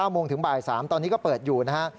โมงถึงบ่าย๓ตอนนี้ก็เปิดอยู่นะฮะ